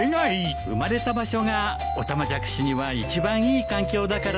生まれた場所がオタマジャクシには一番いい環境だからね。